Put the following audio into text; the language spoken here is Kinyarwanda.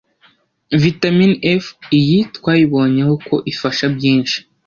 Vitamini F iyi twayibonyeho ko ifasha byinshi